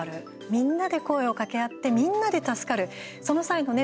みんなで声をかけ合ってみんなで助かる、その際のね